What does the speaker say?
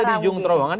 ada di ujung terowongan